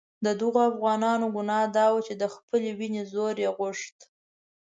د دغو افغانانو ګناه دا وه چې د خپلې وینې زور یې غوښت.